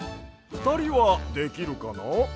ふたりはできるかな？